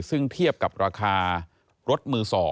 ซึ่งเทียบกับราคารถมือ๒